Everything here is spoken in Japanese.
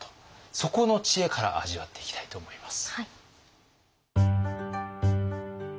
そこの知恵から味わっていきたいと思います。